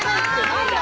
何だ？